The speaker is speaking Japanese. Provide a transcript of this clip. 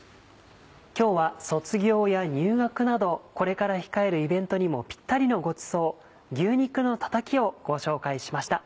今日は卒業や入学などこれから控えるイベントにもピッタリのごちそう「牛肉のたたき」をご紹介しました。